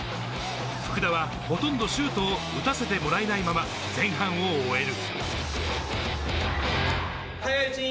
福田はほとんどシュートを打たせてもらえないまま前半を終える。